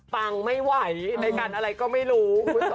ฟังไม่ไหวในการอะไรก็ไม่รู้